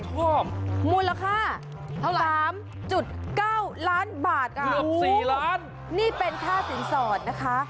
ชอบมูลค่าเท่าไหร่๓๙ล้านบาทอื้อเกือบ๔ล้านนี่เป็นค่าสินสอดนะคะ